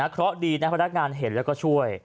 เพราะดีนะพนักงานเห็นแล้วก็ช่วย